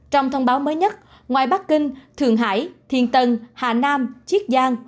trong thông báo mới nhất ngoài bắc kinh thượng hải thiên tân hà nam chiết giang